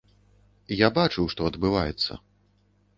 Я бачыў, што адбываецца.